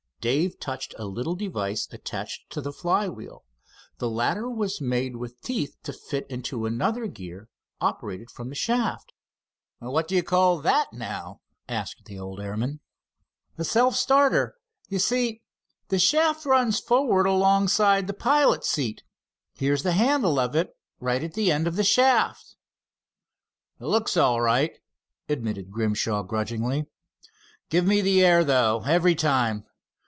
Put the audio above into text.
Dave touched a little device attached to the flywheel. The latter was made with teeth to fit into another gear, operated from a shaft. "What do you call that, now?" asked the old airman. "A self starter. You see, the shaft runs forward alongside the pilot's seat. Here's the handle of it, right at the end of the shaft." "Looks all right," admitted Grimshaw grudgingly. "Give me the air, though, every time.